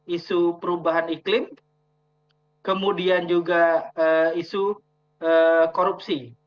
isu perubahan iklim kemudian juga isu korupsi